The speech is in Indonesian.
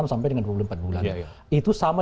enam sampai dengan dua puluh empat bulan itu sama